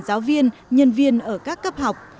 giáo viên nhân viên ở các cấp học